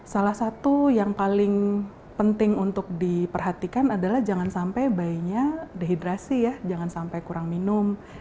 salah satu yang paling penting untuk diperhatikan adalah jangan sampai bayinya dehidrasi ya jangan sampai kurang minum